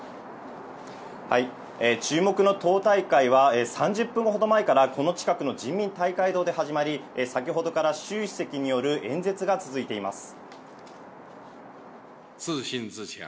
注目の党大会は３０分ほど前から、この近くの人民大会堂で始まり、先ほどからシュウ主席による演説が続いています。